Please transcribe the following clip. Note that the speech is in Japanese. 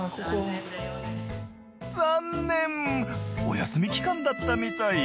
残念お休み期間だったみたい。